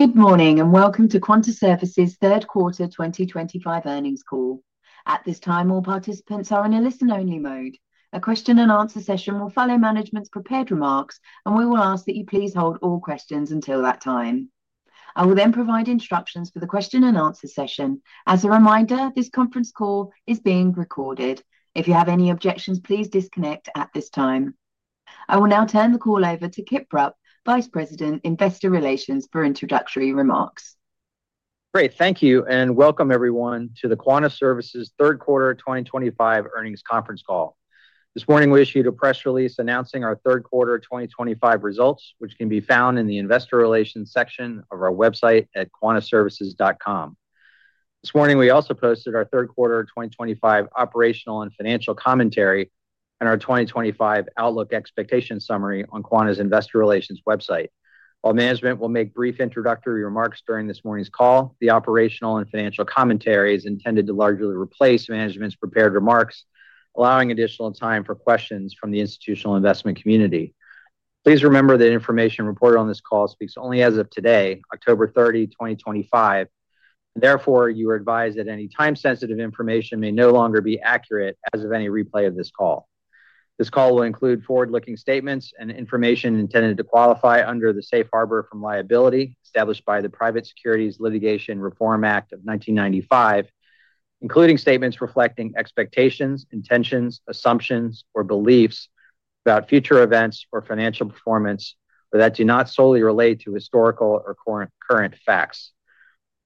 Good morning and welcome to Quanta Services third quarter 2025 earnings call. At this time, all participants are in. A listen-only mode. A question and answer session will follow Management's prepared remarks, and we will ask that you please hold all questions until that time. I will then provide instructions for the question and answer session. As a reminder, this conference call is being recorded. If you have any objections, please disconnect at this time. I will now turn the call over to Kip Rupp, Vice President of Investor Relations, for introductory remarks. Great. Thank you and welcome everyone to the Quanta Services third quarter 2025 earnings conference call. This morning we issued a press release announcing our third quarter 2025 results, which can be found in the Investor Relations section of our website at quantaservices.com. This morning we also posted our third quarter 2025 operational and financial commentary and our 2025 outlook expectations summary on Quanta's Investor Relations website. While management will make brief introductory remarks during this morning's call, the operational and financial commentary is intended to largely replace management's prepared remarks, allowing additional time for questions from the institutional investment community. Please remember that information reported on this call speaks only as of today, October 30, 2025. Therefore, you are advised that any time-sensitive information may no longer be accurate as of any replay of this call. This call will include forward-looking statements and information intended to qualify under the safe harbor from liability established by the Private Securities Litigation Reform Act of 1995, including statements reflecting expectations, intentions, assumptions, or beliefs about future events or financial performance, but that do not solely relate to historical or current facts.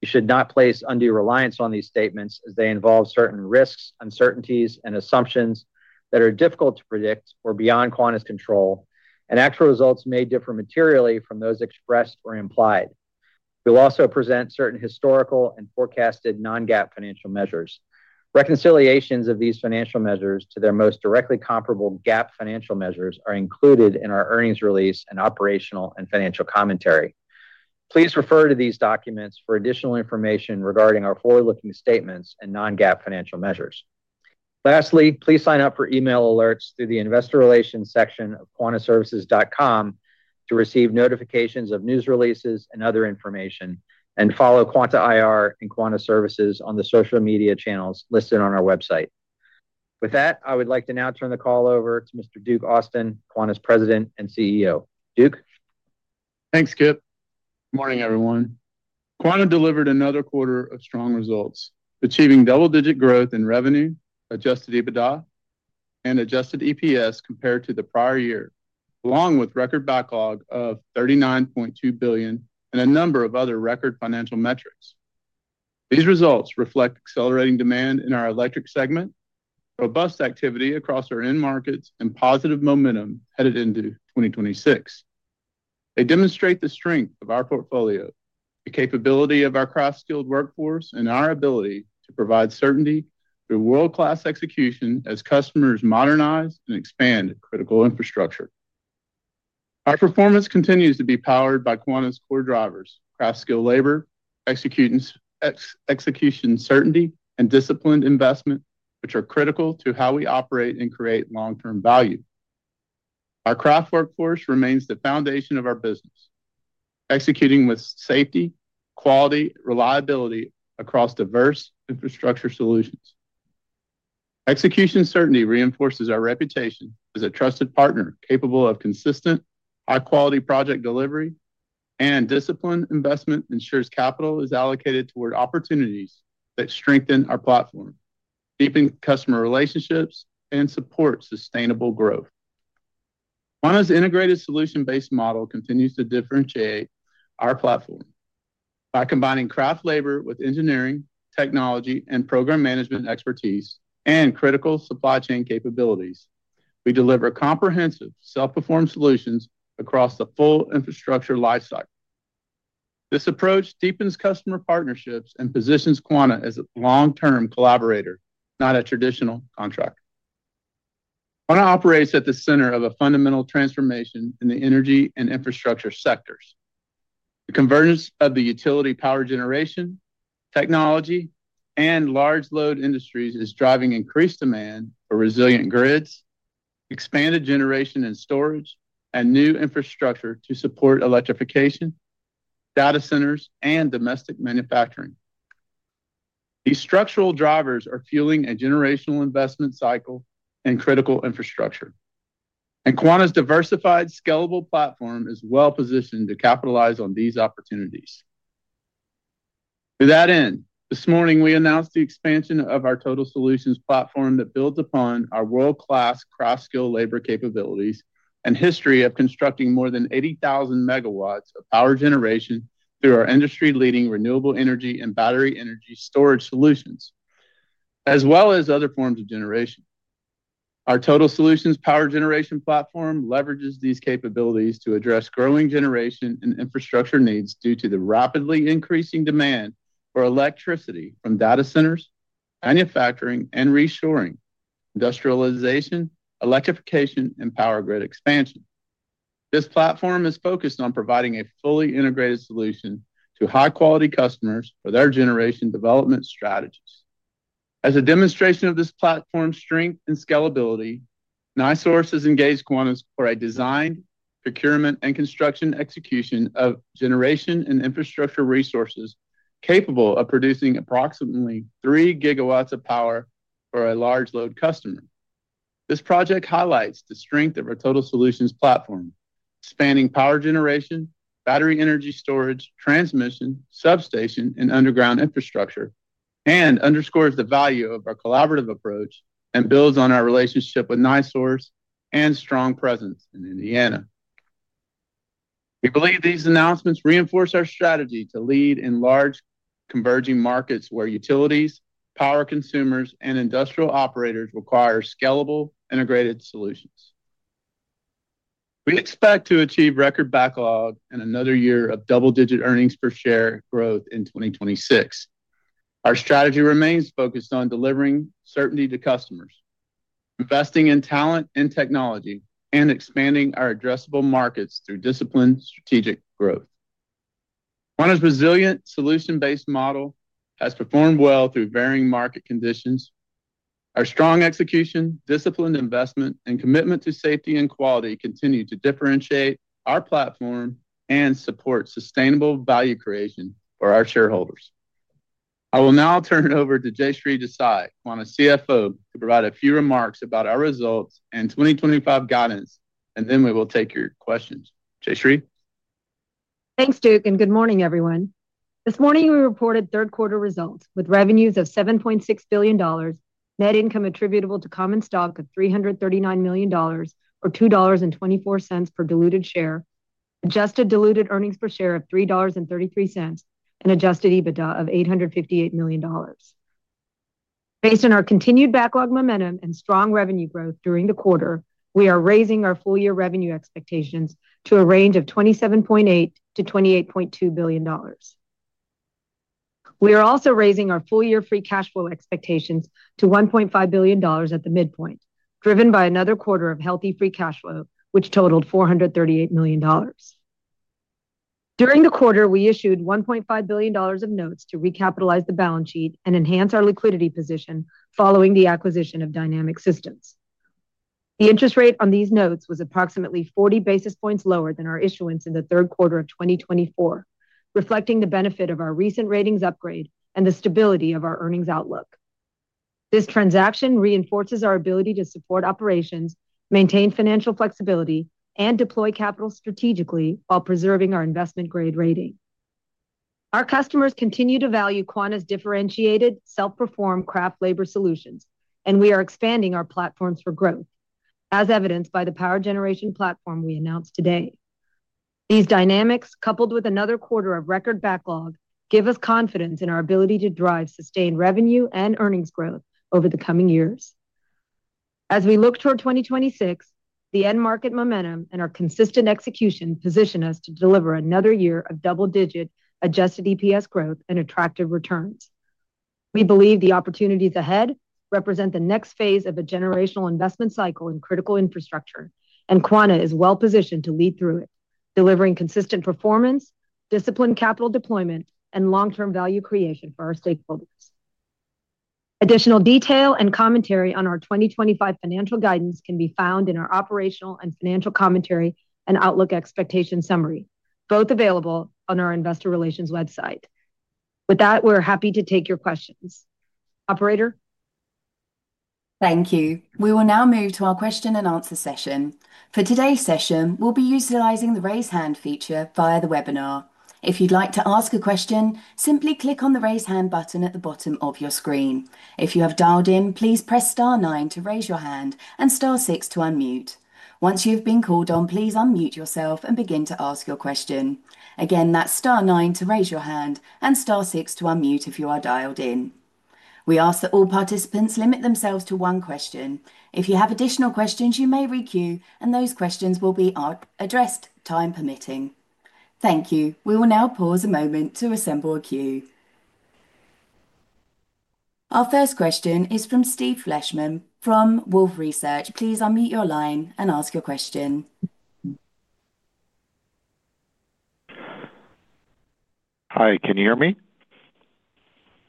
You should not place undue reliance on these statements as they involve certain risks, uncertainties, and assumptions that are difficult to predict or beyond Quanta's control, and actual results may differ materially from those expressed or implied. We'll also present certain historical and forecasted non-GAAP financial measures. Reconciliations of these financial measures to their most directly comparable GAAP financial measures are included in our earnings release and operational and financial commentary. Please refer to these documents for additional information regarding our forward-looking statements and non-GAAP financial measures. Lastly, please sign up for email alerts through the Investor Relations section of quantaservices.com to receive notifications of news releases and other information, and follow Quanta IR and Quanta Services on the social media channels listed on our website. With that, I would like to now turn the call over to Mr. Duke Austin, Quanta's President and CEO. Duke, Thanks Kip. Good morning everyone. Quanta delivered another quarter of strong results, achieving double-digit growth in revenue, adjusted EBITDA, and adjusted EPS compared to the prior year, along with record backlog of $39.2 billion and a number of other record financial metrics. These results reflect accelerating demand in our electric segment, robust activity across our end markets, and positive momentum headed into 2026. They demonstrate the strength of our portfolio, the capability of our craft skilled workforce, and our ability to provide certainty through world-class execution as customers modernize and expand critical infrastructure. Our performance continues to be powered by Quanta's core drivers: craft skill, labor, execution, certainty, and disciplined investment, which are critical to how we operate and create long-term value. Our craft workforce remains the foundation of our business, executing with safety, quality, and reliability across diverse infrastructure solutions. Execution certainty reinforces our reputation as a trusted partner capable of consistent, high-quality project delivery, and disciplined investment ensures capital is allocated toward opportunities that strengthen our platform, deepen customer relationships, and support sustainable growth. Quanta's integrated solution-based model continues to differentiate our platform. By combining craft labor with engineering, technology, and program management expertise and critical supply chain capabilities, we deliver comprehensive self-perform solutions across the full infrastructure life cycle. This approach deepens customer partnerships and positions Quanta as a long-term collaborator, not a traditional contractor. Quanta operates at the center of a fundamental transformation in the energy and infrastructure sectors. The convergence of the utility, power generation technology, and large load industries is driving increased demand for resilient grids, expanded generation and storage, and new infrastructure to support electrification, data centers, and domestic manufacturing. These structural drivers are fueling a generational investment cycle in critical infrastructure, and Quanta's diversified, scalable platform is well positioned to capitalize on these opportunities. To that end, this morning we announced the expansion of our Total Solutions platform that builds upon our world-class cross-skill labor capabilities and history of constructing more than 80,000 MW of power generation through our industry-leading renewable energy and battery energy storage solutions as well as other forms of generation. Our Total Solutions power generation platform leverages these capabilities to address growing generation and infrastructure needs due to the rapidly increasing demand for electricity from data centers, manufacturing and reshoring, industrialization, electrification, and power grid expansion. This platform is focused on providing a fully integrated solution to high-quality customers for their generation development strategies. As a demonstration of this platform strength and scalability, NiSource has engaged Quanta for a design, procurement, and construction execution of generation and infrastructure resources capable of producing approximately 3 GW of power for a large load customer. This project highlights the strength of our Total Solutions platform spanning power generation, battery energy storage, transmission, substation, and underground infrastructure and underscores the value of our collaborative approach and builds on our relationship with NiSource and strong presence in Indiana. We believe these announcements reinforce our strategy to lead in large converging markets where utilities, power consumers, and industrial operators require scalable integrated solutions. We expect to achieve record backlog and another year of double-digit earnings per share growth in 2026. Our strategy remains focused on delivering certainty to customers, investing in talent and technology, and expanding our addressable markets through disciplined strategic growth. Quanta's resilient solution-based model has performed well through varying market conditions. Our strong execution, disciplined investment, and commitment to safety and quality continue to differentiate our platform and support sustainable value creation for our shareholders. I will now turn it over to Jayshree Desai, Quanta CFO, to provide a few remarks about our results and 2025 guidance and then we will take your questions. Thanks Duke and good morning everyone. This morning we reported third quarter results with revenues of $7.6 billion, net income attributable to common stock of $339 million or $2.24 per diluted share, adjusted diluted earnings per share of $3.33 and adjusted EBITDA of $858 million. Based on our continued backlog momentum and strong revenue growth during the quarter, we are raising our full year revenue expectations to a range of $27.8 billion-$28.2 billion. We are also raising our full year free cash flow expectations to $1.5 billion at the midpoint, driven by another quarter of healthy free cash flow which totaled $438 million during the quarter. We issued $1.5 billion of notes to recapitalize the balance sheet and enhance our liquidity position. Following the acquisition of Dynamic Systems, the interest rate on these notes was approximately 40 basis points lower than our issuance in the third quarter of 2024, reflecting the benefit of our recent ratings upgrade and the stability of our earnings outlook. This transaction reinforces our ability to support operations, maintain financial flexibility and deploy capital strategically while preserving our investment grade rating. Our customers continue to value Quanta's differentiated solid self-perform craft labor solutions and we are expanding our platforms for growth as evidenced by the power generation platform we announced today. These dynamics, coupled with another quarter of record backlog, give us confidence in our ability to drive sustained revenue and earnings growth over the coming years. As we look toward 2026, the end market momentum and our consistent execution position us to deliver another year of double digit adjusted EPS growth and attractive returns. We believe the opportunities ahead represent the next phase of a generational investment cycle in critical infrastructure and Quanta is well positioned to lead through it, delivering consistent performance, disciplined capital deployment and long term value creation for our stakeholders. Additional detail and commentary on our 2025 financial guidance can be found in our Operational and Financial Commentary and Outlook Expectation Summary, both available on our Investor Relations website. With that, we're happy to take your questions. Operator,. Thank you, We will now move to our question and answer session. For today's session, we'll be utilizing the Raise Hand feature via the webinar. If you'd like to ask a question, simply click on the Raise Hand button at the bottom of your screen. If you have dialed in, please press star nine to raise your hand and star six to unmute. Once you have been called on, please unmute yourself and begin to ask your question. That's star nine to raise your hand and star six to unmute. If you are dialed in, we ask that all participants limit themselves to one question. If you have additional questions, you may request, and those questions will be addressed, time permitting. Thank you. We will now pause a moment to assemble a queue. Our first question is from Steve Fleishman from Wolfe Research. Please unmute your line and ask your question. Hi, can you hear me?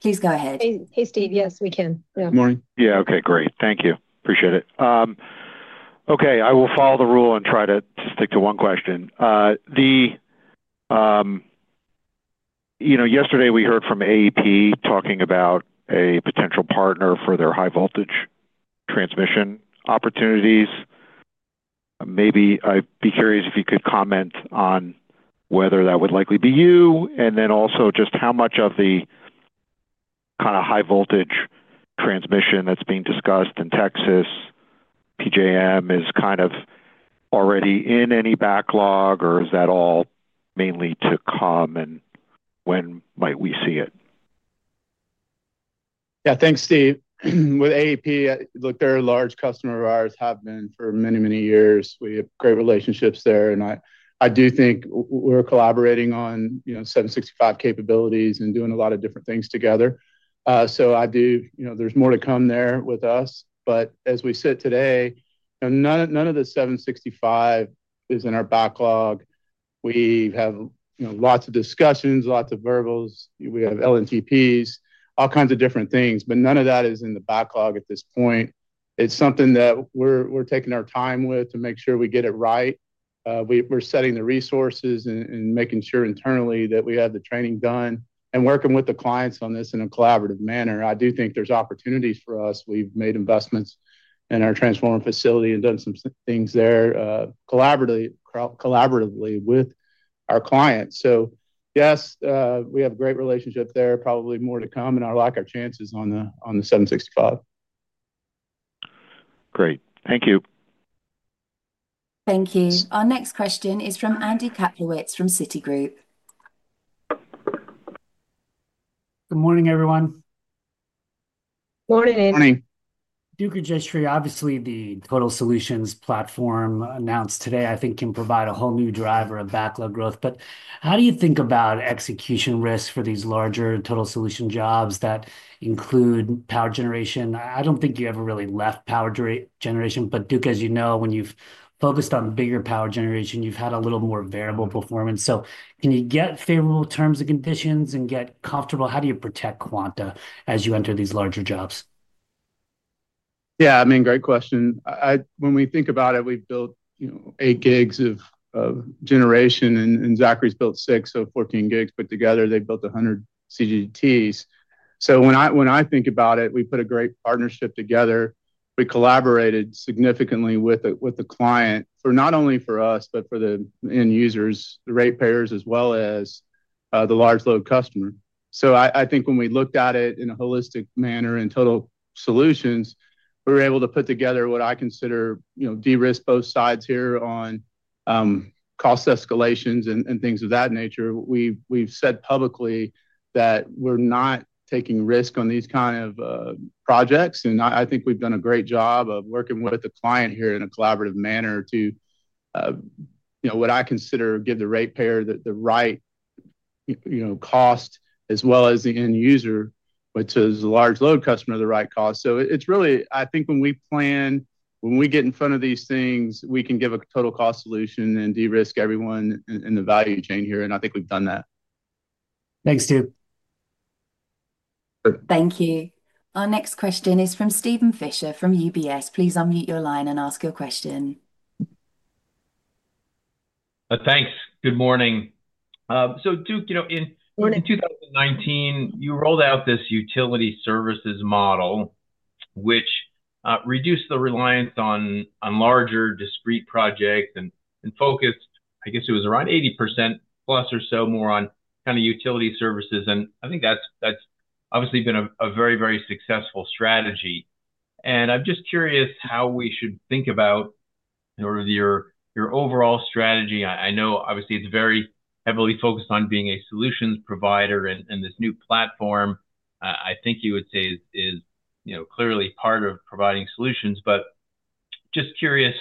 Please go ahead. Hey Steve, yes we can. Good morning. Yeah, okay, great. Thank you. Appreciate it. Okay, I will follow the rule and try to stick to one question. The. You know, yesterday we heard from AEP talking about a potential partner for their high-voltage transmission opportunities. Maybe I'd be curious if you could comment on whether that would likely be you, and then also just how much of the kind of high-voltage transmission that's being discussed in Texas PJM is kind of already in any backlog. Is that all mainly to come, and when might we see it? Yeah, thanks Steve. With AEP, look, they're a large customer of ours, have been for many, many years. We have great relationships there and I do think we're collaborating on, you know, 765 capabilities and doing a lot of different things together. I do, you know, there's more to come there with us. As we sit today, none of the 765 is in our backlog. We have lots of discussions, lots of verbals, we have LNTPs, all kinds of different things. None of that is in the backlog at this point. It's something that we're taking our time with to make sure we get it right. We're setting the resources and making sure internally that we have the training done and working with the clients on this in a collaborative manner. I do think there's opportunities for us. We've made investments in our transform facility and done some things there collaboratively with our clients. Yes, we have a great relationship there. Probably more to come and I like our chances on the 765. Great. Thank you. Thank you. Our next question is from Andy Kaplowitz from Citigroup. Good morning, everyone. Morning. Morning. Duke or Jayshree? Obviously the Total Solutions platform announced today, I think can provide a whole new driver of backlog growth. How do you think about execution risks for these larger total solution jobs that include power generation? I don't think you ever really left power generation. Duke, as you know, when you've focused on bigger power generation, you've had a little more variable performance. Can you get favorable terms and conditions and get comfortable? How do you protect Quanta as you. Enter these larger jobs? Yeah, I mean, great question. When we think about it, we've built, you know, eight gigs of generation and Zachry's built six of 14 gigs put together. They built 100 CCGTs. When I think about it, we put a great partnership together. We collaborated significantly with the client, not only for us, but for the end users, the ratepayers as well as the large load customer. I think when we looked at it in a holistic manner in Total Solutions, we were able to put together what I consider, you know, de-risk both sides here on cost escalations and things of that nature. We've said publicly that we're not taking risk on these kind of projects. I think we've done a great job of working with a client here in a collaborative manner to, you know, what I consider give the ratepayer the right, you know, cost as well as the end user, which is a large load customer, the right cost. It's really, I think when we plan, when we get in front of these things, we can give a total cost solution and de-risk everyone in the value chain here. I think we've done that. Thanks Duke. Thank you. Our next question is from Steven Fisher from UBS. Please unmute your line and ask your question. Thanks. Good morning. Duke, you know, in 2019, you rolled out this utility services model which reduced the reliance on larger discrete projects and focused, I guess it was around 80%+ or so more on kind of utility services. I think that's obviously been a very, very successful strategy. I'm just curious how we should think about your overall strategy. I know obviously it's very heavily focused on being a solutions provider and this new platform I think you would say is clearly part of providing solutions. I'm just curious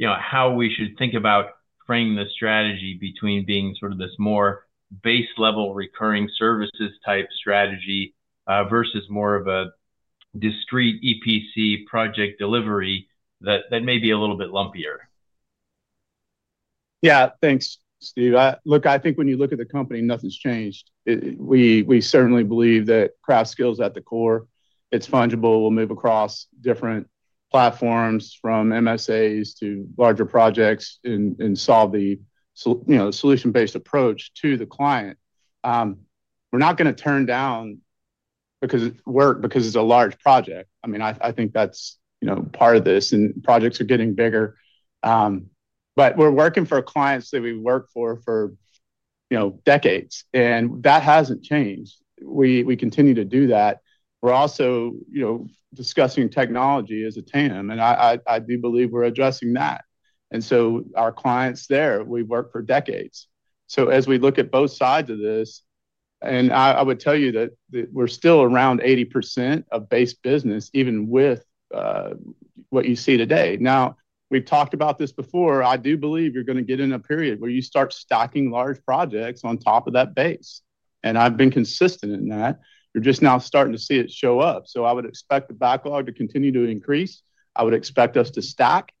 how we should think about, frame the strategy between being sort of this more base level recurring services type strategy versus more of a discrete EPC project delivery that may be a little bit lumpier. Yeah, thanks, Steve. Look, I think when you look at the company, nothing's changed. We certainly believe that craft skills at the core, it's fungible. We'll move across different platforms from MSAs to larger projects and solve the solution-based approach to the client. We're not going to turn down because it's work because it's a large project. I mean, I think that's part of this, and projects are getting bigger. We're working for clients that we work for for decades, and that hasn't changed. We continue to do that. We're also discussing technology as a TAM, and I do believe we're addressing that. Our clients there, we've worked for decades. As we look at both sides of this, I would tell you that we're still around 80% of base business even with what you see today. We've talked about this before. I do believe you're going to get in a period where you start stacking large projects on top of that base, and I've been consistent in that. You're just now starting to see it show up. I would expect the backlog to continue to increase. I would expect us to stack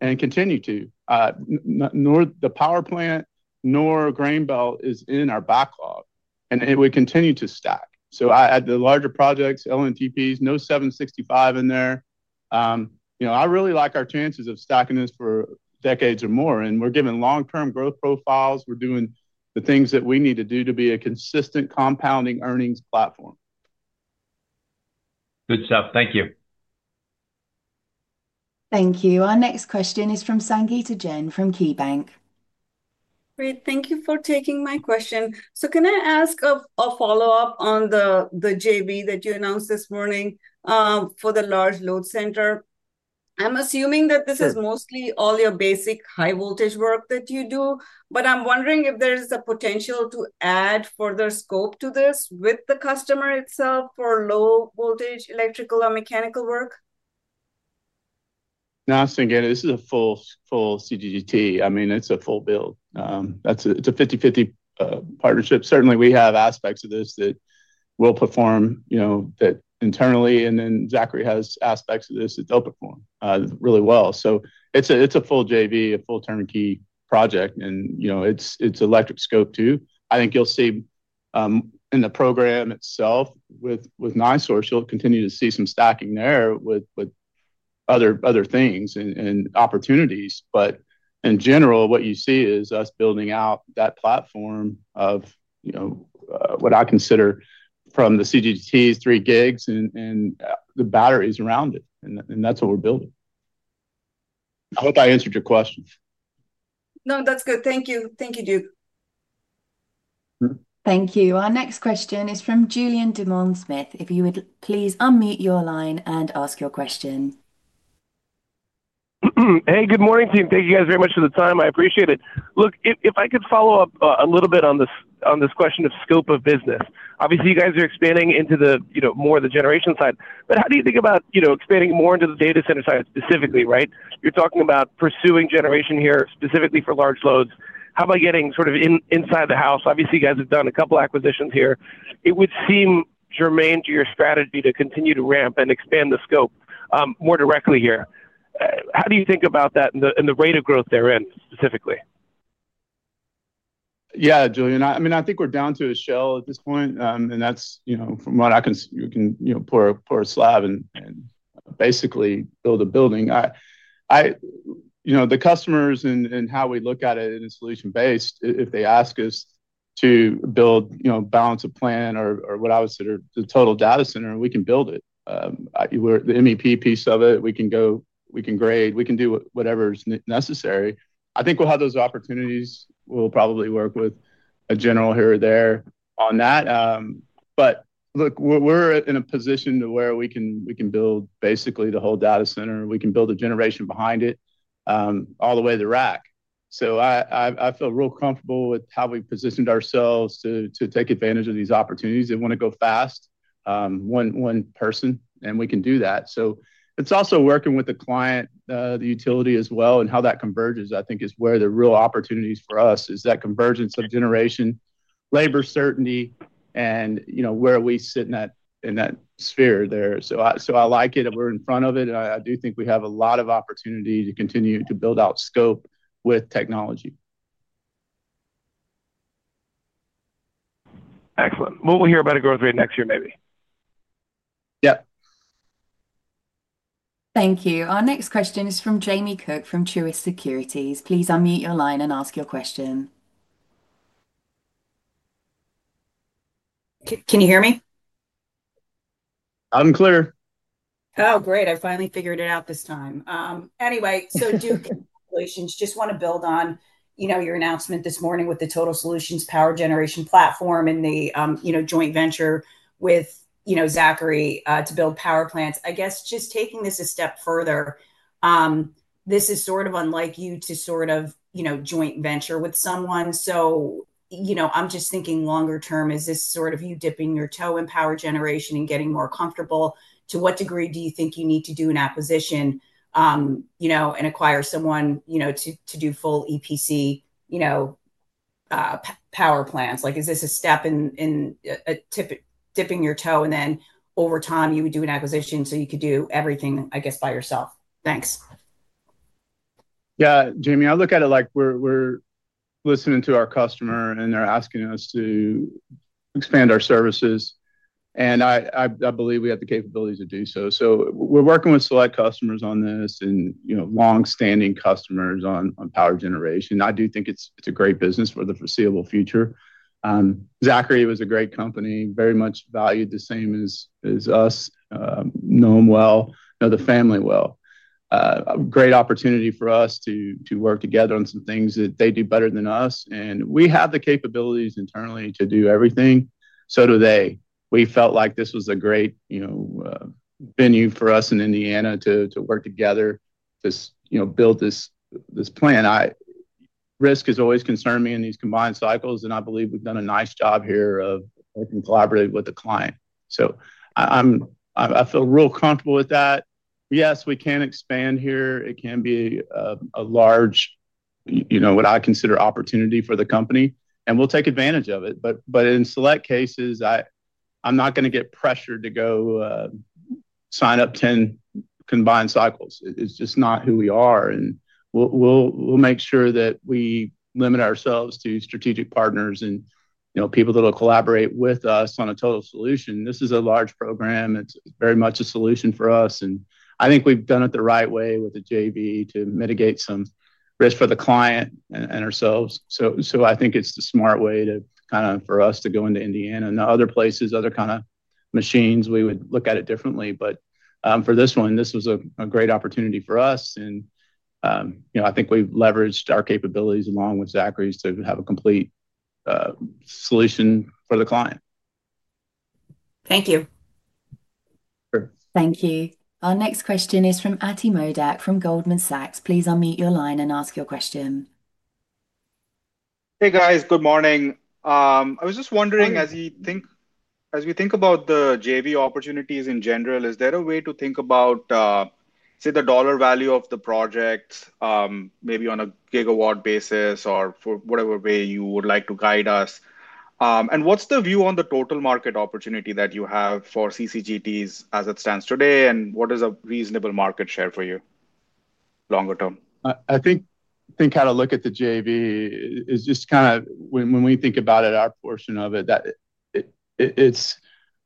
and continue to. Nor the power plant, nor Grain Belt is in our backlog, and it would continue to stack. I add the larger projects. LNTPs, no 765 in there. I really like our chances of stocking this for decades or more, and we're giving long-term growth profiles. We're doing the things that we need to do to be a consistent compounding earnings platform. Good stuff. Thank you. Thank you. Our next question is from Sangita Jain from KeyBanc. Great. Thank you for taking my question. Can I ask a follow up? On the JV that you announced this. Morning for the large load center? I'm assuming that this is mostly all. Your basic high-voltage transmission work that you. I'm wondering if there is a potential to add further scope to. This is with the customer itself for low. Voltage, voltage, electrical or mechanical work. No, I'm saying this is a full, full CCGT. I mean it's a full build that's, it's a 50/50 partnership. Certainly we have aspects of this that we'll perform, you know, that internally and then Zachry has aspects of this. It's open really well. It's a full JV, a full turnkey project. You know, it's electric scope too. I think you'll see in the program itself with NiSource, you'll continue to see some stacking there with other things and opportunities. In general, what you see is us building out that platform of, you know, what I consider from the CCGT's three gigs and the batteries around it, and that's what we're building. I hope I answered your question. No, that's good. Thank you. Thank you, Duke. Thank you. Our next question is from Julien Dumoulin-Smith. If you would please unmute your line and ask your question. Hey, good morning, team. Thank you guys very much for the time. I appreciate it. If I could follow up a little bit on this question of scope of business. Obviously, you guys are expanding into the, you know, more the generation side, but how do you think about, you know, expanding more into the data center side specifically? You're talking about pursuing generation here specifically for large loads. How about getting sort of inside the house? Obviously, you guys have done a couple acquisitions here. It would seem germane to your strategy to continue to ramp and expand the scope more directly here. How do you think about that and the rate of growth therein specifically? Yeah, Julien, I mean, I think we're down to a shell at this point. That's, you know, from what I can, you can pour a slab and basically build a building. The customers and how we look at it in a solution based. If they ask us to build, you know, balance a plan or what I would. The total data center, we can build it. We're the MEP piece of it. We can go, we can grade, we can do whatever's necessary. I think we'll have those opportunities. We'll probably work with a general here or there on that. Look, we're in a position to where we can, we can build basically the whole data center. We can build a generation behind it all the way to the rack. I feel real comfortable with how we positioned ourselves to take advantage of these opportunities. They want to go fast, one, one person, and we can do that. It's also working with the client, the utility as well, and how that converges, I think, is where the real opportunities for us is that convergence of generation labor certainty and you know where we sit in that sphere there. I like it. We're in front of it and I do think we have a lot of opportunity to continue to build out scope with technology. Excellent. What will we hear about a growth rate next year? Maybe. Yep. Thank you. Our next question is from Jamie Cook from Truist Securities. Please unmute your line and ask your question. Can you hear me? I'm clear, Oh, great. I finally figured it out this time anyway. Duke, just want to build on your announcement this morning with the Total Solutions power generation platform and the joint venture with Zachry to build power plants. I guess just taking this a step further, this is sort of unlike you to joint venture with someone. I'm just thinking longer term, is this sort of you dipping your toe in power generation and getting more comfortable? To what degree do you think you need to do an acquisition and acquire someone to do full EPC power plants? Is this a step in, dipping your toe, and then over time you would do an acquisition so you could do everything by yourself? Thanks. Yeah Jamie, I look at it like we're listening to our customer and they're asking us to expand our services and I believe we have the capability to do so. We're working with select customers on this and, you know, long standing customers on power generation. I do think it's a great business for the foreseeable future. Zachry was a great company, very much valued the same as us. Know them well, know the family well. A great opportunity for us to work together on some things that they do better than us and we have the capabilities internally to do everything. So do they. We felt like this was a great venue for us in Indiana to work together to build this plan. Risk has always concerned me in these combined cycles and I believe we've done a nice job here of collaborating with the client. I feel real comfortable with that. Yes, we can expand here. It can be a large opportunity for the company and we'll take advantage of it, but in select cases. I'm not going to get pressured to go sign up 10 combined cycles. It's just not who we are and we'll make sure that we limit ourselves to strategic partners and people that will collaborate with us on a total solution. This is a large program. It's very much a solution for us and I think we've done it the right way with the JV to mitigate some risk for the client and ourselves. I think it's the smart way for us to go into Indiana and other places. Other kind of machines, we would look at it differently, but for this one, this was a great opportunity for us and I think we've leveraged our capabilities along with Zachry's to have a complete solution for the client. Thank you. Thank you. Our next question is from Ati Modak from Goldman Sachs. Please unmute your line and ask your question. Hey guys. Good morning. I was just wondering, as we think about the JV opportunities in general, is there a way to think about, say, the dollar value of the project maybe on a gigawatt basis or for whatever way you would like to guide us? What's the view on the total market opportunity that you have for CCGTs as it stands today? What is a reasonable market share for you longer term? I think how to look at the JV is just kind of when we think about it, our portion of it.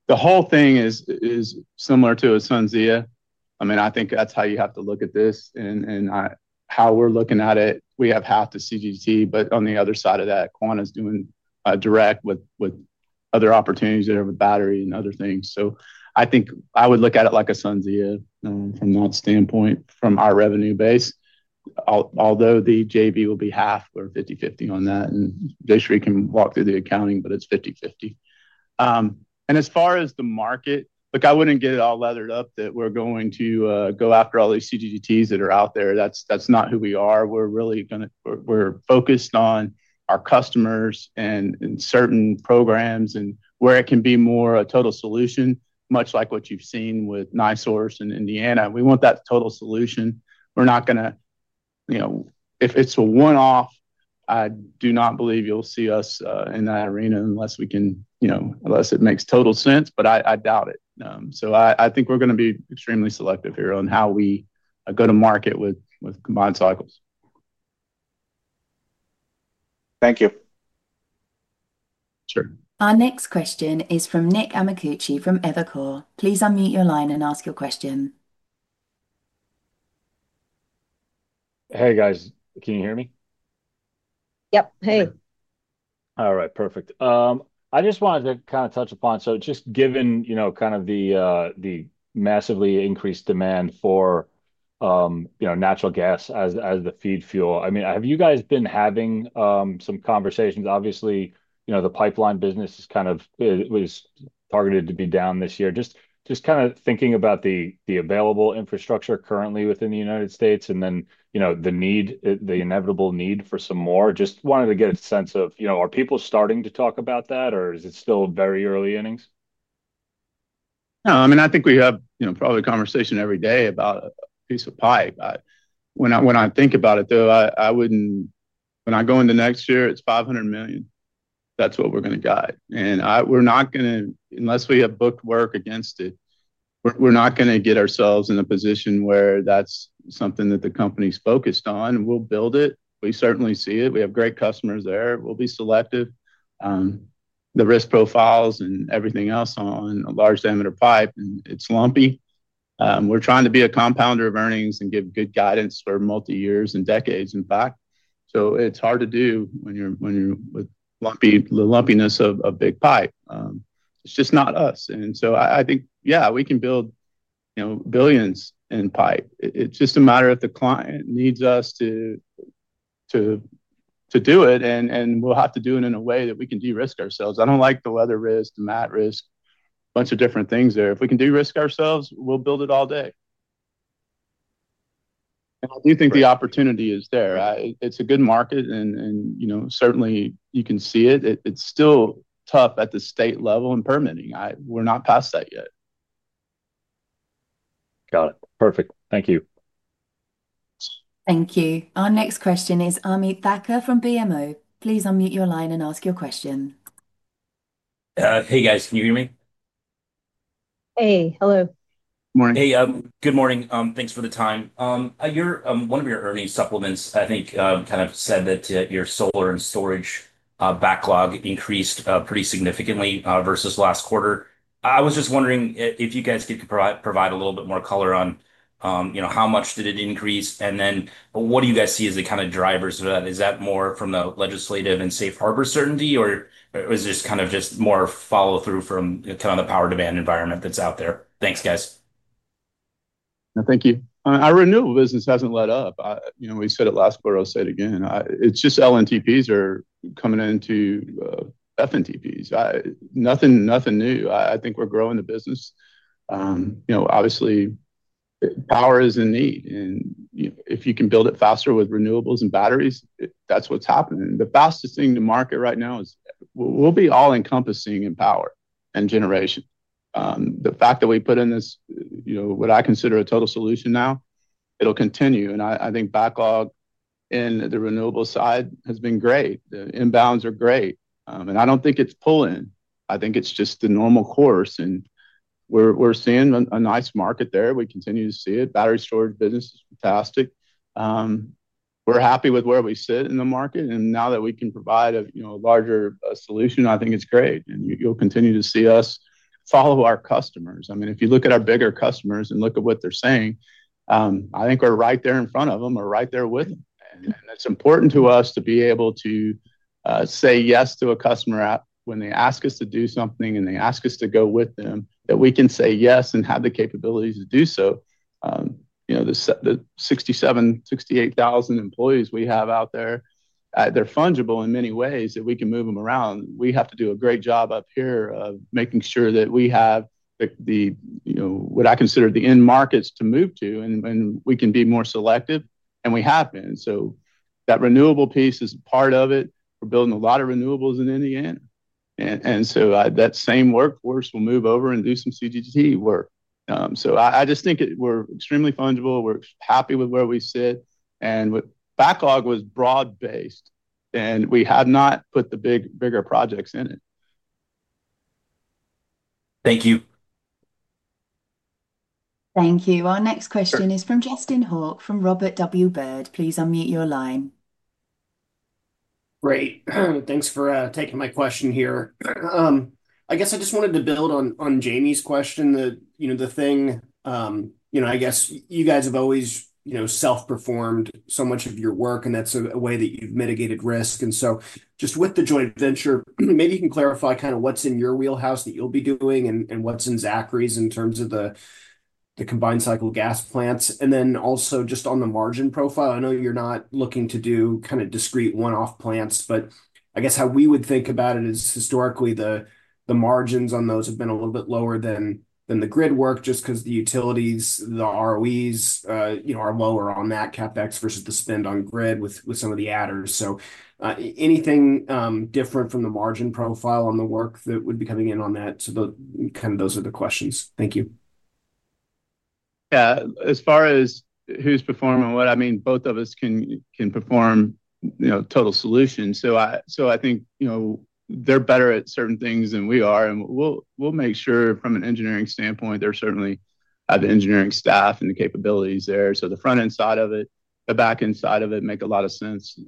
The whole thing is similar to a SunZia. I think that's how you have to look at this and how we're looking at it. We have half the CCGT, but on the other side of that, Quanta is doing direct with other opportunities that are with battery and other things. I think I would look at it like a SunZia from that standpoint. From our revenue base, although the JV will be half, we're 50/50 on that and we can walk through the accounting, but it's 50/50. As far as the market, look, I wouldn't get it all leathered up that we're going to go after all these CCGTs that are out there. That's not who we are. We are really focused on our customers and certain programs and where it can be more a total solution, much like what you've seen with NiSource in Indiana. We want that total solution. We're not going to, you know, if it's a one off. I do not believe you'll see us in that arena unless it makes total sense, but I doubt it. I think we are going to be extremely selective here on how we go to market with combined cycles. Thank you. Sure. Our next question is from Nick Amicucci from Evercore. Please unmute your line and ask your question. Hey guys, can you hear me? Yep. Hey. All right, perfect. I just wanted to kind of touch upon, so just given, you know, kind of the massively increased demand for, you know, natural gas as the feed fuel. I mean, have you guys been having some conversations? Obviously, you know, the pipeline business is kind of was targeted to be down this year. Just kind of thinking about the available infrastructure currently within the United States and then, you know, the need, the inevitable need for some more. Just wanted to get a sense of, you know, are people starting to talk about that or is it still very early innings? No, I mean, I think we have probably a conversation every day about a piece of pie, but when I think about it though, I wouldn't. When I go into next year, it's $500 million. That's what we're going to guide and we're not going to unless we have booked work against it. We're not going to get ourselves in a position where that's something that the company's focused on. We'll build it. We certainly see it. We have great customers there. We'll be selective, the risk profiles and everything else. On a large diameter pipe, it's lumpy. We're trying to be a compounder of earnings and give good guidance for multi years and decades in fact. It's hard to do when you're with lumpy, the lumpiness of big pipe. It's just not us. I think, yeah, we can build billions in pipe. It's just a matter of the client needs us to do it and we'll have to do it in a way that we can de-risk ourselves. I don't like the weather risk, the mat risk, bunch of different things there. If we can de-risk ourselves, we'll build it all day. I do think the opportunity is there. It's a good market and, you know, certainly you can see it. It's still tough at the state level and permitting, we're not past that yet. Got it. Perfect. Thank you. Thank you. Our next question is Ameet Thakkar from BMO. Please unmute your line and ask your question. Hey guys, can you hear me? Hey. Hello. Morning. Hey, good morning. Thanks for the time. One of your earnings supplements, I think, kind of said that your solar and storage backlog increased pretty significantly versus last quarter. I was just wondering if you guys. Could you provide a little bit more color? On how much did it increase, and then what do you guys see as the kind of drivers of that? Is that more from the legislative and safe harbor certainty, or is this just more follow through from the power demand environment that's out there? Thanks, guys. Thank you. Our renewal business hasn't let up. We said it last quarter, I'll say it again, it's just LNTPs are coming into FNTPs. Nothing, nothing new. I think we're growing the business. Obviously power is in need and if you can build it faster with renewables and batteries, that's what's happening. The fastest thing to market right now is we'll be all encompassing in power and generation. The fact that we put in this, what I consider a total solution now, it'll continue and I think backlog in the renewable side has been great. The inbounds are great and I don't think it's pulling. I think it's just the normal course. We're seeing a nice market there. We continue to see it. Battery storage business is fantastic. We're happy with where we sit in the market and now that we can provide a larger solution, I think it's great. You'll continue to see us follow our customers. If you look at our bigger customers and look at what they're saying, I think we're right there in front of them or right there with them and it's important to us to be able to say yes to a customer app when they ask us to do something and they ask us to go with them, that we can say yes and have the capabilities to do so. The 67,000, 68,000 employees we have out there, they're fungible in many ways that we can move them around. We have to do a great job up here of making sure that we have what I consider the end markets to move to and we can be more selective and we have been. That renewable piece is part of it. We're building a lot of renewables in Indiana and that same workforce will move over and do some CCGT work. I just think we're extremely fungible. We're happy with where we sit and backlog was broad based and we had not put the big, bigger projects in it. Thank you. Thank you. Our next question is from Justin Hauke from Robert W. Baird. Please unmute your line. Great. Thanks for taking my question here. I guess I just wanted to build on Jamie's question that, you know, you guys have always, you know, self-performed so much of your work and that's a way that you've mitigated risk. Just with the joint venture, maybe you can clarify kind of what's in your wheelhouse that you'll be doing and what's in Zachry's in terms of the combined cycle gas plants. Also, just on the margin profile, I know you're not looking to do kind of discrete one-off plants, but I guess how we would think about it is historically the margins on those have been a little bit lower than the grid work just because the utilities, the ROEs are lower on that CapEx versus the spend on grid with some of the adders. Anything different from the margin profile on the work that would be coming in on that? Those are the questions. Thank you. Yeah. As far as who's performing what, both of us can perform, you know, total solutions. I think, you know, they're better at certain things than we are. We'll make sure from an engineering standpoint there's certainly the engineering staff and the capabilities there, so the front end side of it, the back end side of it make a lot of sense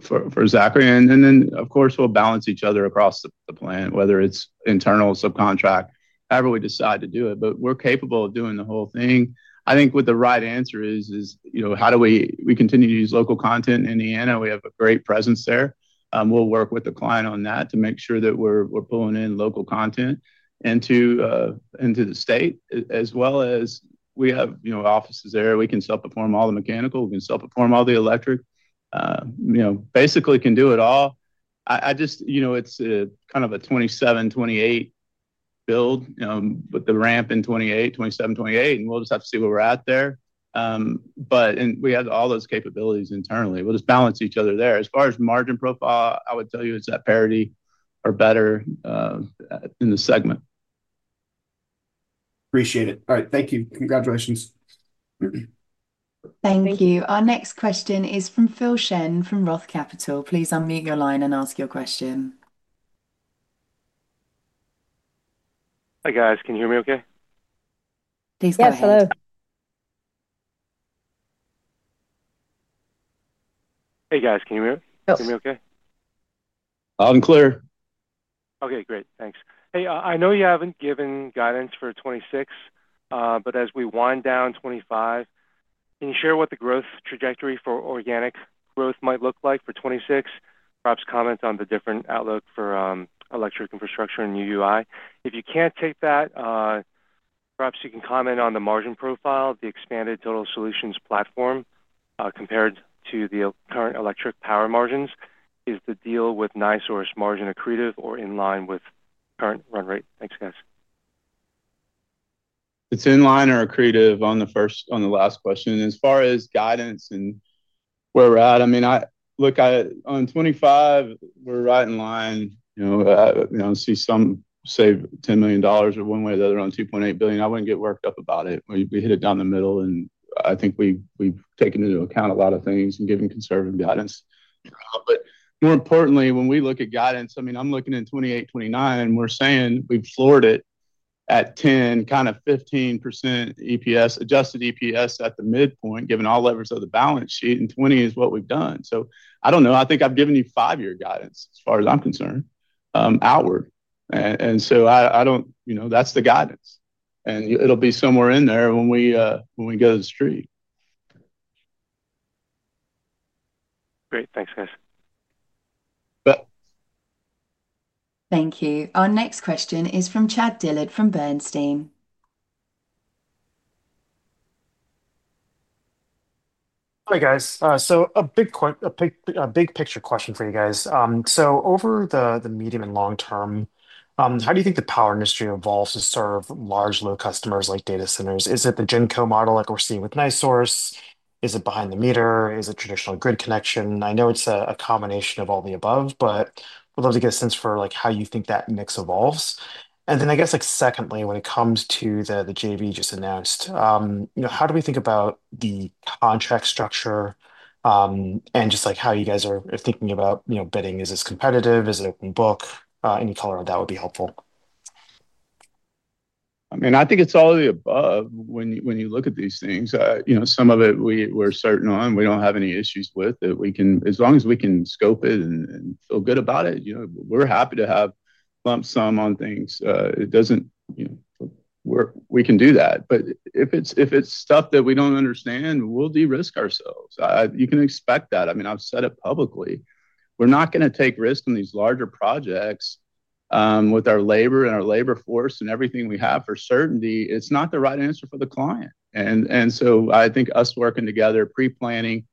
for Zachry. Of course, we'll balance each other across the plan, whether it's internal subcontract, however we decide to do it, but we're capable of doing the whole thing. I think what the right answer is, how do we continue to use local content in Indiana? We have a great presence there. We'll work with the client on that to make sure that we're pulling in local content into the state as well as we have, you know, offices there. We can self-perform all the mechanical, we can self-perform all the electric, you know, basically can do it all. It's kind of a 2027, 2028 build with the ramp in 2028, 2027, 2028. We'll just have to see where we're at there. We have all those capabilities internally. We'll just balance each other there. As far as margin profile, I would tell you it's at parity or better in the segment. Appreciate it. All right, thank you. Congratulations. Thank you. Our next question is from Phil Shen from Roth Capital. Please unmute your line and ask your question. Hi guys, can you hear me okay? Yes, go ahead. Hey guys, can you hear me okay? Loud and clear. Okay, great, thanks. Hey, I know you haven't given guidance for 2026, but as we wind down 2025, can you share what the growth trajectory for organic growth might look like for 2026, perhaps comment on the different outlook for electric infrastructure and UI. If you can't take that, perhaps you can comment on the margin profile, the expanded Total Solutions platform compared to the current electric power margins. Is the deal with NiSource margin accretive or in line with current run rate? Thanks guys. It's in line or accretive on the first, on the last question, as far as guidance and where we're at, I mean I look at it on 2025, we're right in line, you know, see some save $10 million or one way or the other on $2.8 billion. I wouldn't get worked up about it. We hit it down the middle, and I think we've taken into account a lot of things and given conservative guidance. More importantly, when we look at guidance, I mean I'm looking in 2028, 2029, and we're saying we've floored it at 10% kind of 15% adjusted EPS at the midpoint given all levers of the balance sheet. 20% is what we've done. I don't know, I think I've given you five year guidance as far as I'm concerned, outward. I don't, you know, that's the guidance and it'll be somewhere in there when we go to the street. Great, thanks guys. Thank you. Our next question is from Chad Dillard from Bernstein. Hi guys. A big picture question for you guys. Over the medium and long term, how do you think the power industry evolves to serve large load customers like data centers? Is it the GenCo model like we're seeing with NiSource? Is it behind the meter? Is it traditional grid connection? I know it's a combination of all the above, but would love to get a sense for how you think that mix evolves. I guess secondly, when it comes to the JV just announced, how do we think about the contract structure and how you guys are thinking about bidding? Is this competitive? Is it open book? Any color on that would be helpful. I mean, I think it's all of the above when you look at these things. Some of it we're certain on, we don't have any issues with that. We can, as long as we can scope it and feel good about it, we're happy to have lump sum on things. It doesn't, we can do that. If it's stuff that we don't understand, we'll de-risk ourselves. You can expect that. I've said it publicly. We're not going to take risk in these larger projects with our labor and our labor force and everything we have for certainty. It's not the right answer for the client. I think us working together, pre-planning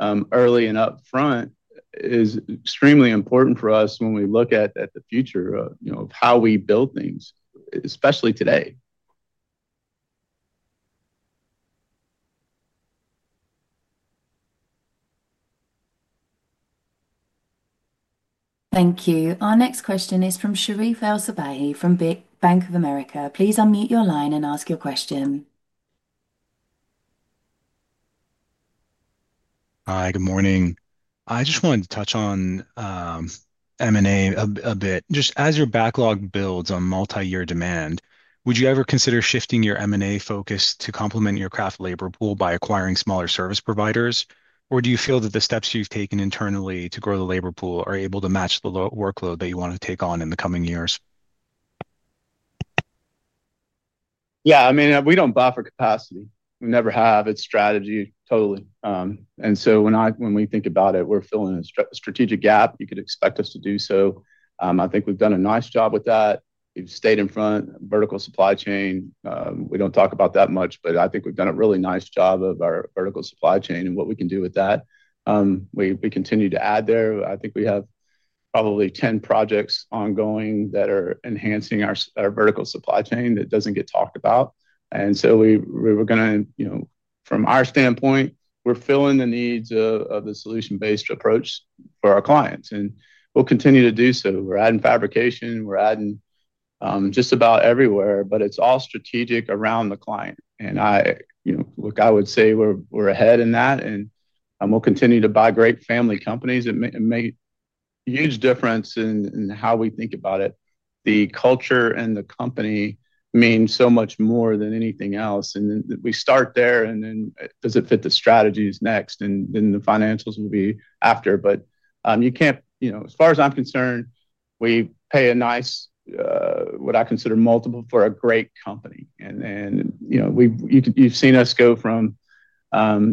early and up front, is extremely important for us when we look at the future of how we build things, especially today. Thank you. Our next question is from Sherif El-Sabbahy from Bank of America. Please unmute your line and ask your question. Hi, good morning. I just wanted to touch on M&A a bit. Just as your backlog builds on multi-year demand, would you ever consider shifting your M&A focus to complement your craft labor pool by acquiring smaller service providers? Or do you feel that the steps you've taken internally to grow the labor pool are able to match the workload that you want to take on in the coming years? Yeah, I mean we don't buy for capacity. We never have. It's strategy totally. When we think about it, we're filling a strategic gap. You could expect us to do so. I think we've done a nice job with that. We've stayed in front of vertical supply chain. We don't talk about that much, but I think we've done a really nice job of our vertical supply chain and what we can do with that. We continue to add there. I think we have probably 10 projects ongoing that are enhancing our vertical supply chain that doesn't get talked about. From our standpoint, we're filling the needs of the solution-based approach for our clients and we'll continue to do so. We're adding fabrication, we're adding just about everywhere. It's all strategic around the client. I would say we're ahead in that and we'll continue to buy great family companies. It made a huge difference in how we think about it. The culture and the company mean so much more than anything else. We start there and then does it fit the strategies next and then the financials will be after. As far as I'm concerned, we pay a nice, what I consider, multiple for a great company. You've seen us go from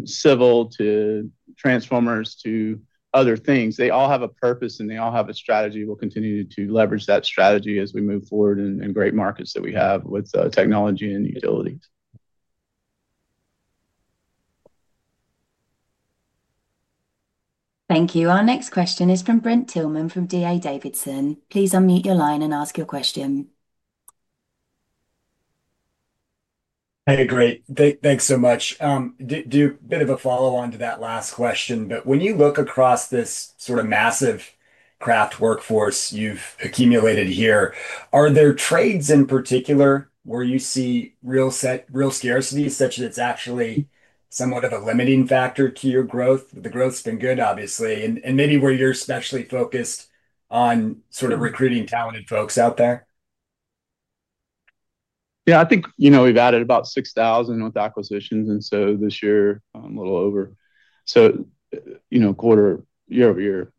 civil to transformers to other things. They all have a purpose and they all have a strategy. We'll continue to leverage that strategy as we move forward in great markets that we have with technology and utilities. Thank you. Our next question is from Brent Tillman from D.A. Davidson. Please unmute your line and ask your question. Hey, great. Thanks so much. To do a bit of a follow on to that last question, when you look across this sort of massive craft workforce you've accumulated here, are there trades in particular where you see real set, real scarcity, such that it's actually somewhat of a limiting factor to your growth? The growth's been good, obviously, and maybe where you're especially focused on recruiting talented folks out there. Yeah, I think, you know, we've added about 6,000 with acquisitions, and so this year a little over. So, you know, quarter year over year.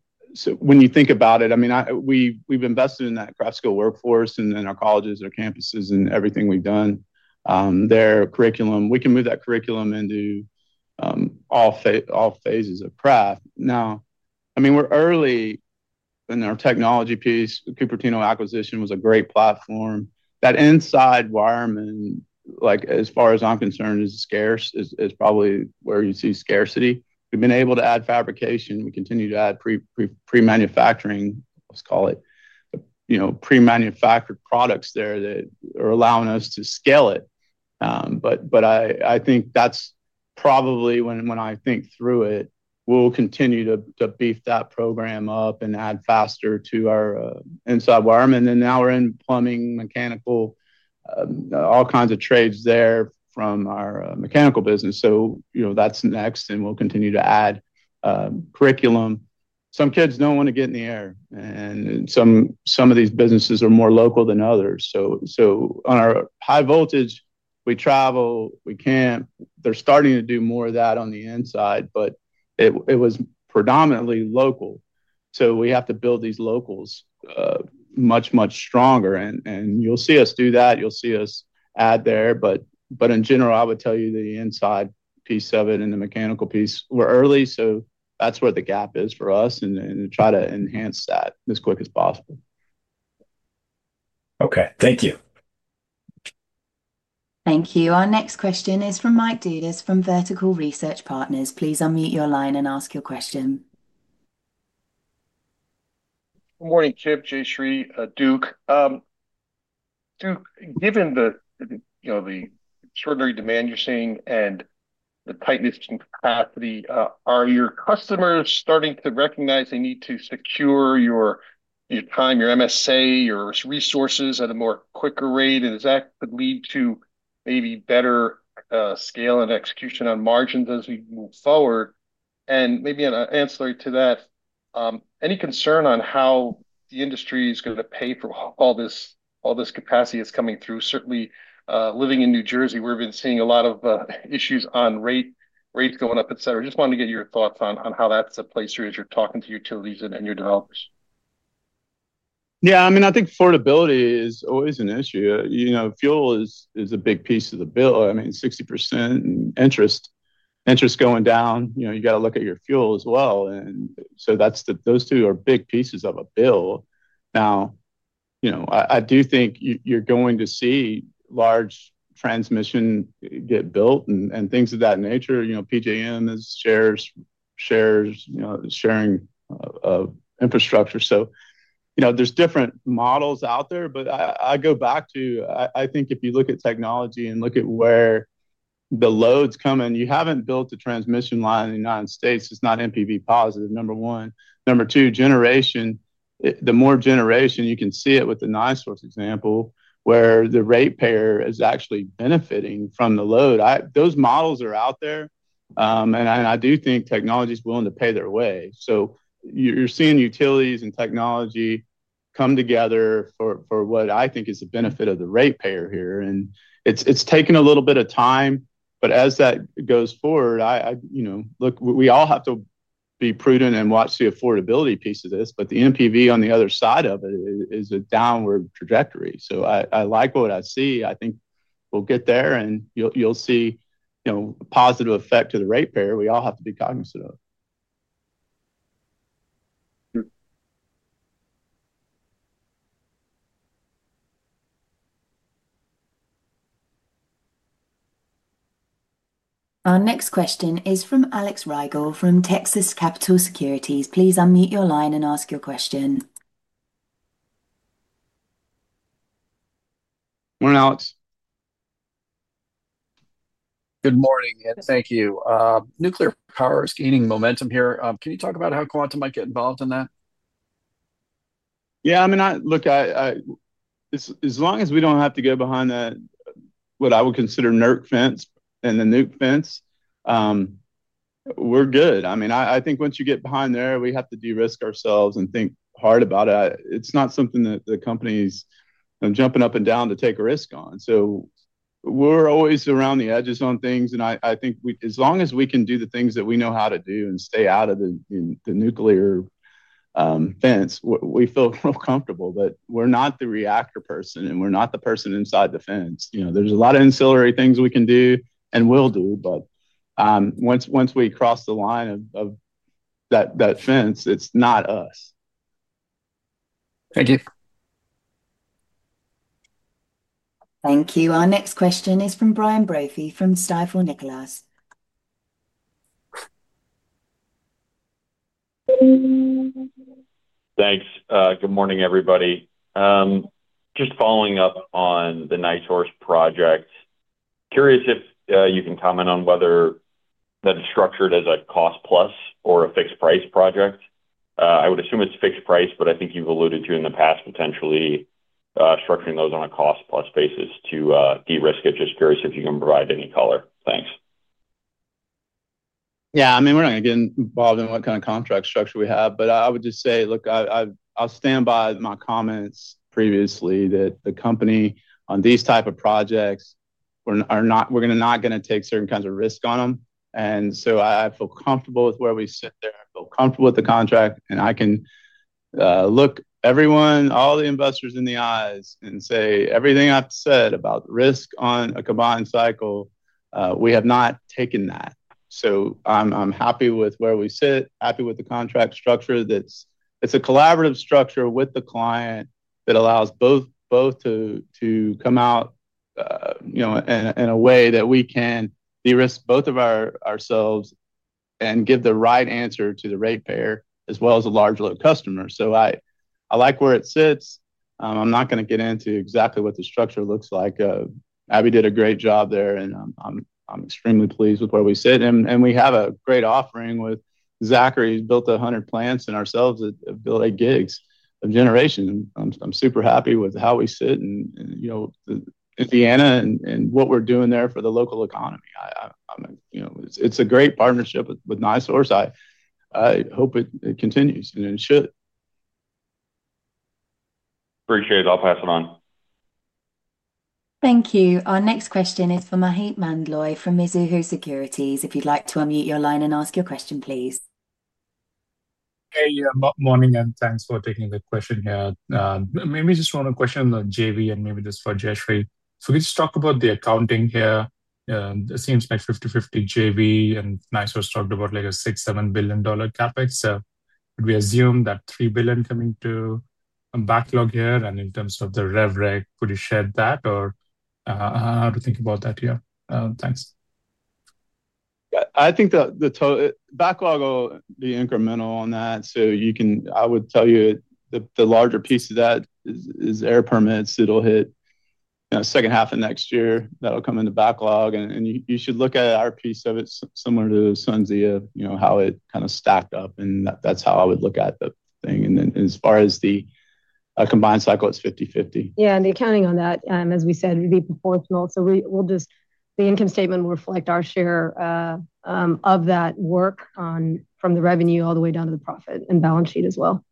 When you think about it, I mean, we've invested in that craft skill workforce and our colleges, our campuses and everything we've done, their curriculum, we can move that curriculum into all phases of craft now. I mean, we're early in our technology piece. Cupertino acquisition was a great platform. That inside Wireman, like, as far as I'm concerned, is scarce, is probably where you see scarcity. We've been able to add fabrication. We continue to add pre-manufacturing, let's call it, you know, pre-manufactured products there that are allowing us to scale it. I think that's probably when I think through it, we'll continue to beef that program up and add faster to our inside Wireman. Now we're in plumbing, mechanical, all kinds of trades there from our mechanical business. That's next. We'll continue to add curriculum. Some kids don't want to get in the air, and some of these businesses are more local than others. On our high-voltage, we travel, we camp. They're starting to do more of that on the inside, but it was predominantly local, so we have to build these locals much, much stronger. You'll see us do that. You'll see us add there. In general, I would tell you the inside piece of it and the mechanical piece. We're early, so that's where the gap is for us and try to enhance that as quick as possible. Okay, thank you. Thank you. Our next question is from Mike Dudas from Vertical Research Partners. Please unmute your line and ask your question. Good morning. Jayshree, Duke. Duke. Given the extraordinary demand. You're seeing, and the tightness in capacity, are your customers starting to recognize they need to secure your time, your MSA, your resources at a quicker rate, and does that lead to maybe better scale and execution on margins as we move forward? Maybe an ancillary to that, any concern on how the industry is going to pay for all this, all this capacity is coming through. Certainly, living in New Jersey, we've been seeing a lot of issues on rate, rates going up, etc. Just want to get your thoughts on how that's a place here as you're talking to utilities and your developers. Yeah, I mean, I think affordability is always an issue. You know, fuel is a big piece of the bill. I mean, 60% interest, interest going down. You know, you got to look at your fuel as well, and so those two are big pieces of a bill now. I do think you're going to see large transmission get built and things of that nature. PJM is shares, shares, you know, sharing of infrastructure. There are different models out there. I go back to, I think if you look at technology and look at where the loads come in, you haven't built a transmission line in the United States. that's not NPV positive, number one. Number two, generation, the more generation you can see it with the NiSource example where the ratepayer is actually benefiting from the load. Those models are out there, and I do think technology is willing to pay their way. You're seeing utilities and technology come together for what I think is the benefit of the ratepayer here. It's taken a little bit of time, but as that goes forward, you know, look, we all have to be prudent and watch the affordability piece of this. The NPV on the other side of it is a downward trajectory. I like what I see. I think we'll get there, and you'll see positive effect to the ratepayer we all have to be cognizant of. Our next question is from Alex Rygiel from Texas Capital Securities. Please unmute your line and ask your question. Morning, Alex. Good morning and thank you. Nuclear power is gaining momentum here. Can you talk about how Quanta might get involved in that? Yeah, I mean, as long as we don't have to go behind that, what I would consider NERC fence and the nuke fence, we're good. I think once you get behind there, we have to de-risk ourselves and think hard about it. It's not something that the company's jumping up and down to take a risk on. We're always around the edges on things and I think as long as we can do the things that we know how to do and stay out of the nuclear fence, we feel comfortable. We're not the reactor person and we're not the person inside the fence. There's a lot of ancillary things we can do and will do, but once we cross the line of that fence, it's not us. Thank you. Thank you. Our next question is from Brian Brophy from Stifel Nicolaus. Thanks. Good morning everybody. Just following up on the NiSource project. Curious if you can comment on whether that is structured as a cost plus or a fixed price project. I would assume it's fixed price, but I think you've alluded to in the past potentially structuring those on a cost plus basis to de-risk it. Just curious if you can provide any color. Thanks. Yeah, I mean we're going to get involved in what kind of contract structure we have, but I would just say look, I'll stand by my comments previously that the company on these type of projects are not, we're not going to take certain kinds of risk on them. I feel comfortable with where we sit there, comfortable with the contract, and I can look everyone, all the investors in the eyes and say everything I've said about risk on a combined cycle, we have not taken that. I'm happy with where we sit, happy with the contract structure. It's a collaborative structure with the client that allows both to come out in a way that we can de-risk both of ourselves and give the right answer to the ratepayer as well as a large load customer. I like where it sits. I'm not going to get into exactly what the structure looks like. Abby did a great job there and I'm extremely pleased with where we sit, and we have a great offering with Zachry, built 100 plants, and ourselves that build a gigs of generation. I'm super happy with how we sit in Indiana and what we're doing there for the local economy. It's a great partnership with NiSource. I hope it continues and it should. Appreciate it. I'll pass it on. Thank you. Our next question is for Maheep Mandloi from Mizuho Securities. If you'd like to unmute your line and ask your question, please. Hey, morning and thanks for taking the question here. Maybe just one question on JV. Maybe just for Jayshree. We just talk about the accounting here. It seems like 50/50 JV and NiSource was talked about like a $6 billion, $7 billion CapEx. We assume that $3 billion coming to a backlog here. In terms of the rev reg, would you share that or how to think about that here? Thanks. I think that the backlog will be incremental on that. You can, I would tell you the larger piece of that is air permits. It'll hit second half of next year. That'll come into backlog and you should look at our piece of it similar to SunZia, how it kind of stacked up and that's how I would look at the thing. As far as the combined cycle, it's 50/50. Yeah, the accounting on that, as we said, would be proportional. We will just—the income statement will reflect our share of that work from the revenue all the way down to the profit and balance sheet as well.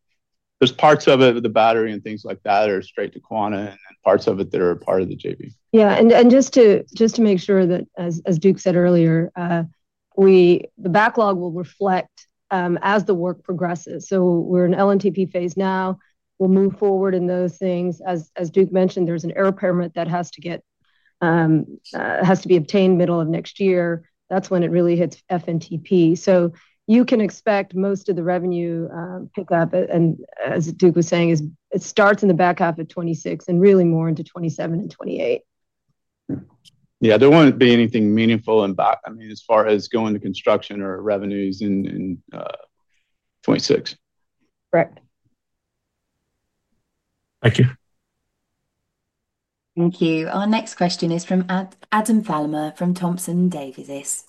are parts of it with the battery and things like that that are straight to Quanta, and parts of it that are part of the JV. Yeah. Just to make sure that as Duke said earlier, the backlog will reflect as the work progresses. We're in LNTP phase now. We'll move forward in those things. As Duke mentioned, there's an air permit that has to be obtained middle of next year. That's when it really hits FNTP. You can expect most of the revenue pickup, and as Duke was saying, it starts in the back half of 2026 and really more into 2027 and 2028. Yeah, there wouldn't be anything meaningful in backlog. I mean as far as going to construction or revenues in 2026. Correct. Thank you. Thank you. Our next question is from Adam Thalhimer from Thompson Davis.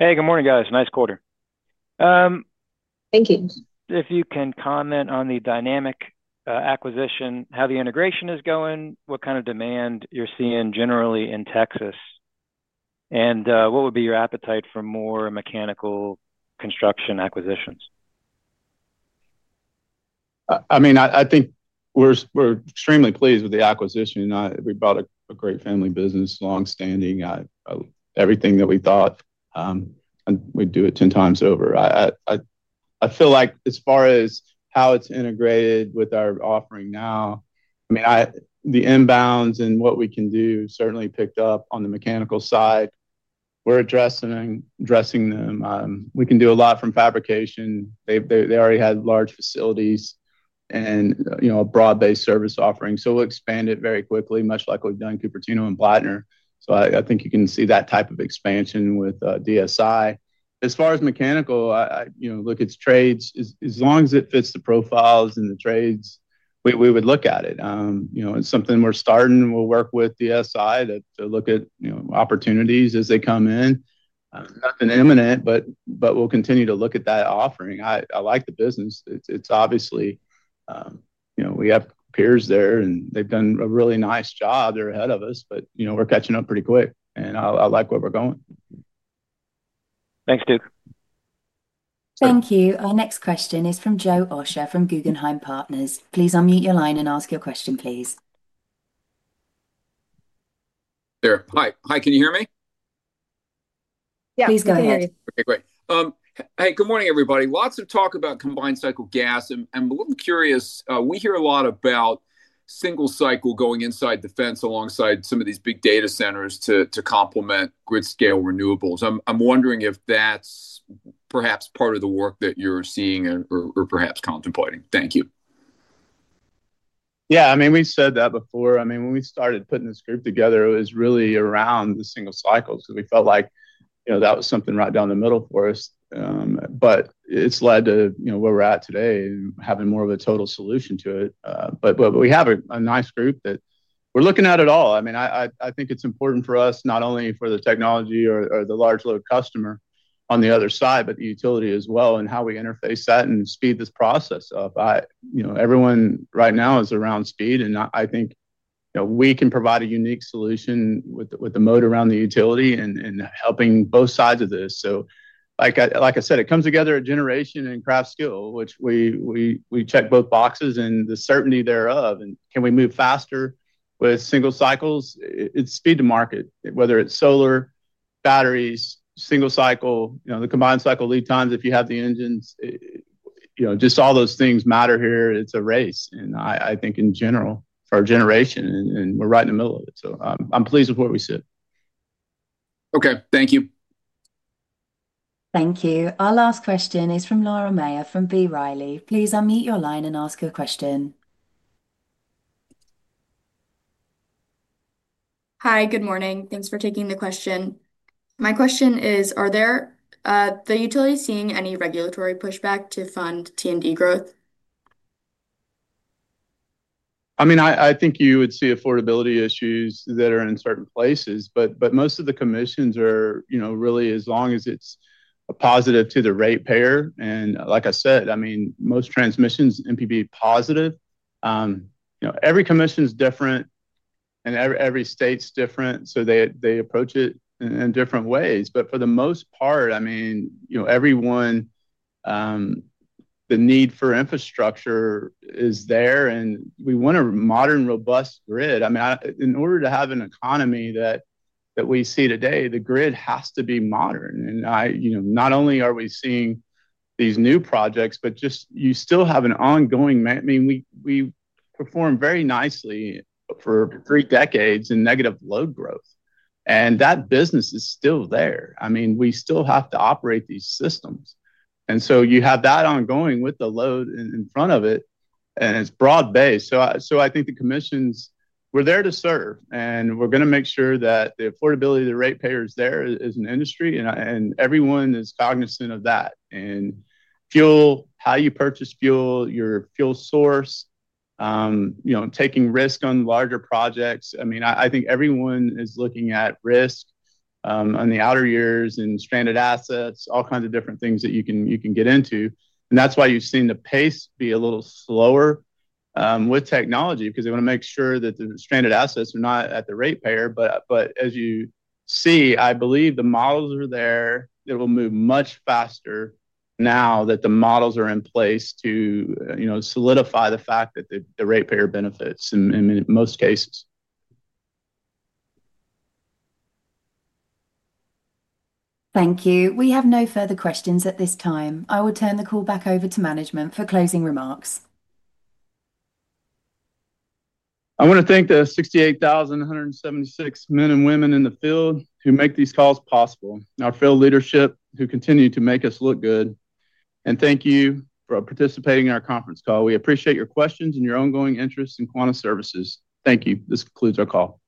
Hey, good morning guys. Nice quarter. Thank you. If you can comment on the Dynamic acquisition, how the integration is going, what kind of demand you're seeing generally in Texas, and what would be your appetite for more mechanical construction acquisitions? I think we're extremely pleased with the acquisition. We bought a great family business, long standing, everything that we thought, and we would do it 10x over. I feel like as far as how it's integrated with our offering now, the inbounds and what we can do certainly picked up on the mechanical side. We're addressing them. We can do a lot from fabrication. They already had large facilities and a broad-based service offering. We'll expand it very quickly, much like we've done with Cupertino and Blattner. I think you can see that type of expansion with DSI as far as mechanical. It's trades. As long as it fits the profiles and the trades, we would look at it. It's something we're starting. We'll work with DSI to look at opportunities as they come in. Nothing imminent, but we'll continue to look at that offering. I like the business. It's obviously, we have peers there and they've done a really nice job. They're ahead of us, but we're catching up pretty quick and I like where we're going. Thanks, Duke. Thank you. Our next question is from Joe Osha from Guggenheim Partners. Please unmute your line and ask your question, please. Hi. Can you hear me? Yeah, please go ahead. Okay, great. Hey, good morning everybody. Lots of talk about combined cycle gas. I'm a little curious. We hear a lot about single cycle going inside defense alongside some of these big data centers to complement grid scale renewables. I'm wondering if that's perhaps part of the work that you're seeing or perhaps contemplating. Thank you. Yeah, I mean we said that before. When we started putting this group together it was really around the single cycles because we felt like that was something right down the middle for us. It's led to where we're at today having more of a total solution to it. We have a nice group that we're looking at it all. I think it's important for us not only for the technology or the large load customer on the other side, but the utility as well and how we interface that and speed this process up. Everyone right now is around speed and I think we can provide a unique solution with the mode around the utility and helping both sides of this. Like I said, it comes together a generation and craft skill which we check both boxes and the certainty thereof and can we move faster with single cycles? It's speed to market, whether it's solar batteries, single cycle, the combined cycle lead times, if you have the engines, just all those things matter here. It's a race and I think in general for our generation and we're right in the middle of it. I'm pleased with what we said. Okay, thank you. Thank you. Our last question is from Laura Maher from B. Riley. Please unmute your line and ask a question. Hi, good morning. Thanks for taking the question. My question is, are there the utilities? Seeing any regulatory pushback to fund T&D growth? I mean I think you would see affordability issues that are in certain places. Most of the commissions are, you know, really as long as it's a positive to the ratepayer. Like I said, I mean most transmissions are NPV positive. You know every commission is different and every state's different. They approach it in different ways. For the most part, I mean, you know, everyone, the need for infrastructure is there and we want a modern, robust grid. I mean in order to have an economy that we see today, the grid has to be modern. I, you know, not only are we seeing these new projects but you still have an ongoing, I mean we perform very nicely for three decades in negative load growth and that business is still there. I mean we still have to operate these systems and so you have that ongoing with the load in front of it and it's broad based. I think the commissions, we're there to serve and we're going to make sure that the affordability of the ratepayers there is an industry and everyone is cognizant of that, and fuel, how you purchase fuel, your fuel source, you know, taking risk on larger projects. I mean I think everyone is looking at risk on the outer years and stranded assets. All kinds of different things that you can get into. That's why you've seen the pace be a little slower with technology because they want to make sure that the stranded assets are not at the ratepayer. As you see, I believe the models are there. It will move much faster now that the models are in place to, you know, solidify the fact that the ratepayer benefits in most cases. Thank you. We have no further questions at this time. I will turn the call back over to management for closing remarks. I want to thank the 68,176 men and women in the field who make these calls possible, our field leadership who continue to make us look good, and thank you for participating in our conference call. We appreciate your questions and your ongoing interest in Quanta Services. Thank you. This concludes our call.